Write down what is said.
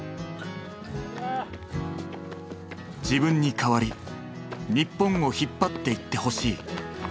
自分に代わり日本を引っ張っていってほしい。